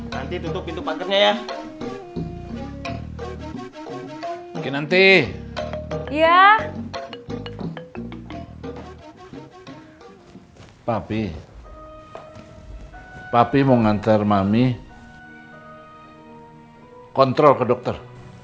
bapak mau ngantar ibu kontrol ke dokter